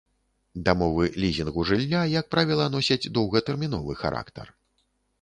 Дамовы лізінгу жылля, як правіла носяць доўгатэрміновы характар.